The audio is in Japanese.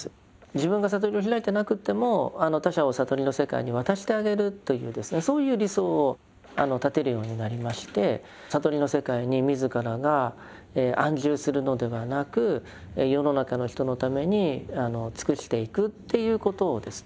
自分が悟りを開いてなくても他者を悟りの世界に渡してあげるというそういう理想を立てるようになりまして悟りの世界に自らが安住するのではなく世の中の人のために尽くしていくっていうことをですね